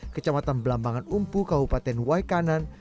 kecamatan belambangan umpu kabupaten waikanan